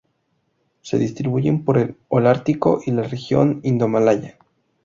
Se distribuyen por el holártico y la región indomalaya.